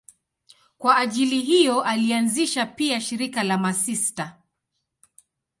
Kwa ajili hiyo alianzisha pia shirika la masista.